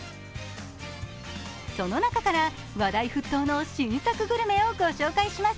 その中から話題沸騰の新作グルメをご紹介します。